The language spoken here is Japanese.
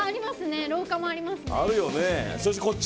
廊下もありますね。